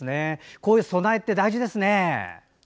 こういう備えって大事ですね。